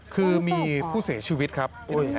คือมีผู้เสียชีวิตครับ